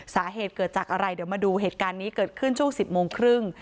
สาเหตุเกิดจากอะไรเดี๋ยวมาดูเหตุการณ์นี้เกิดขึ้นช่วง๑๐โมงครึ่ง